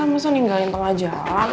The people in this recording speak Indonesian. mbak kenapa kita enggak langsung ke dokter aja